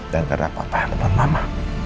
dan kena papa teman mama